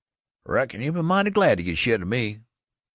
"I reckon you'll be mighty glad to git shet o' me."